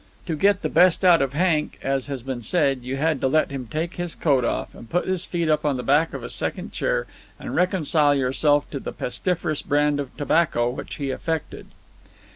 To get the best out of Hank, as has been said, you had to let him take his coat off and put his feet up on the back of a second chair and reconcile yourself to the pestiferous brand of tobacco which he affected.